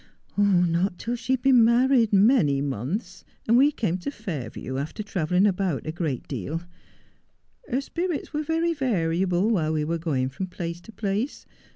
' Not till she had been married many months, and we came to Fairview, after travelling about a great deal. Her spirits were very variable while we were going from place to place.